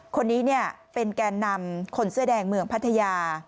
คนนี้เป็นแกนนำคนเสื้อแดงเมืองพัทยา